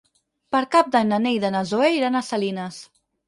Per Cap d'Any na Neida i na Zoè iran a Salines.